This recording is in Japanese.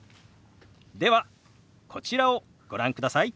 ではこちらをご覧ください。